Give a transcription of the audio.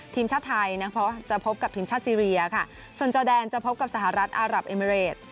ทีมชาติไทยนะคะจะพบกับทีมชาติซีเรียค่ะส่วนจอแดนจะพบกับสหรัฐอารับเอมิเรด